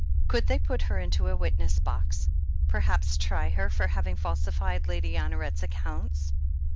Could they put her into a witness box — ^perhaps try her for having falsified Lady Honoret's accounts?